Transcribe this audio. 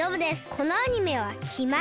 このアニメはきます。